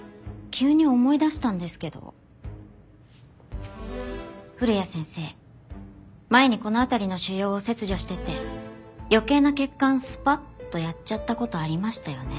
急に思い出したんですけど古谷先生前にこの辺りの腫瘍を切除してて余計な血管スパッとやっちゃった事ありましたよね。